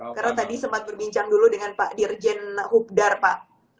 karena tadi sempat berbincang dulu dengan pak dirjen hubdar pak